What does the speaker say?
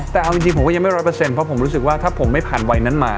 แต่เอาจริงผมก็ยังไม่ร้อยเปอร์เซ็นเพราะผมรู้สึกว่าถ้าผมไม่ผ่านวัยนั้นมา